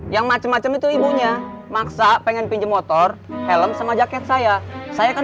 yang macam macam itu ibunya maksa pengen pinjem motor helm sama jaket saya saya kan